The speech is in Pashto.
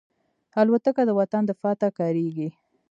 الوتکه د وطن دفاع ته کارېږي.